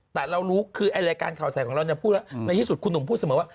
แต่เรารู้คือรายการข่าวใส่ของเราในที่สุดคุณหนุ่มพูดเสมอว่า